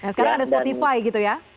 sekarang ada spotify gitu ya